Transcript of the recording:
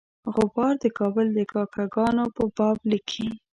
غبار د کابل د کاکه ګانو په باب لیکي.